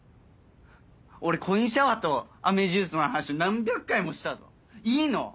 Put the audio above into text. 俺コインシャワーとあめジュースの話何百回もしたぞいいの？